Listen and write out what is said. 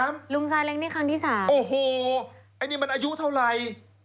ไม่ได้